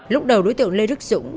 lúc đầu đối tượng lê đức dũng